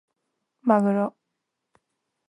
まぐろ